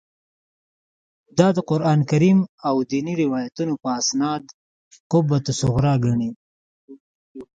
دا د قران کریم او دیني روایتونو په استناد قبه الصخره ګڼي.